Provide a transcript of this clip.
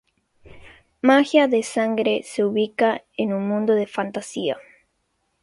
Magia de Sangre se ubica en un mundo de fantasía.